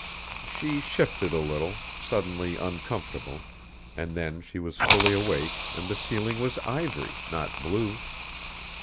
She shifted a little, suddenly uncomfortable ... and then she was fully awake and the ceiling was ivory, not blue.